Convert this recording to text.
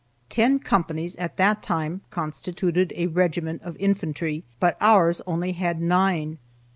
Ten companies, at that time, constituted a regiment of infantry, but ours had only nine.